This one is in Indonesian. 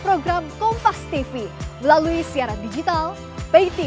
untuk pertemuan di pinggir ini